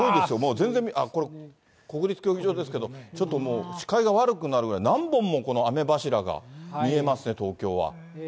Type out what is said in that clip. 全然これ、国立競技場ですけど、ちょっともう視界が悪くなるような、何本も雨柱が見えますね、東京は。